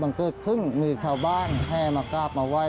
มันเกิดขึ้นมีชาวบ้านแห่มากราบมาไหว้